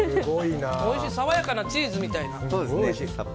おいしい爽やかなチーズみたいな。